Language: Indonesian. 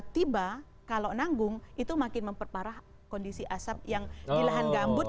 tiba kalau nanggung itu makin memperparah kondisi asap yang di lahan gambut